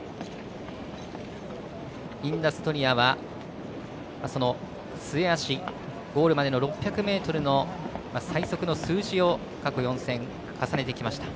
インダストリアは末脚ゴールまでの６００ｍの最速の数字を過去４戦重ねてきました。